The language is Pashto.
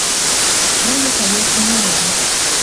غول د طبعیت هنداره ده.